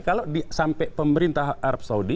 kalau sampai pemerintah arab saudi